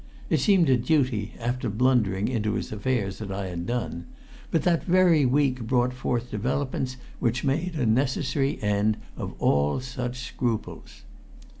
It seemed a duty, after blundering into his affairs as I had done. But that very week brought forth developments which made a necessary end of all such scruples.